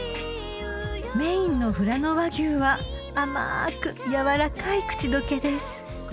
［メインのふらの和牛は甘ーく軟らかい口溶けです］